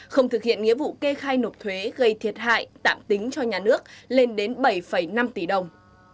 không thực hiện nghĩa vụ kê khai nộp thuế gây thiệt hại tạm tính cho nhà nước lên đến bảy năm tỷ đồng